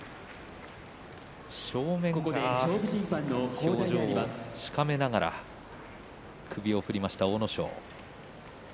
表情をしかめながら首を振りました阿武咲。